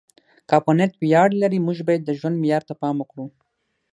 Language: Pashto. که افغانیت ویاړ لري، موږ باید د ژوند معیار ته پام وکړو.